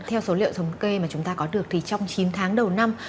theo số liệu thống kê mà chúng ta có được thì trong chín tháng đầu năm